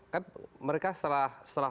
kan mereka setelah